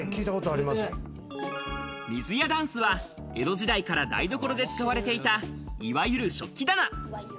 水屋箪笥は江戸時代から台所で使われていた、いわゆる食器棚。